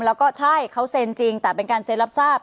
แล้วก็ใช่เขาเซ็นจริงแต่เป็นการเซ็นรับทราบ